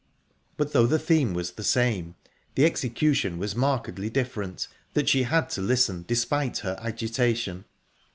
But though the theme was the same, the execution was markedly different that she had to listen, despite her agitation.